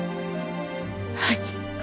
はい。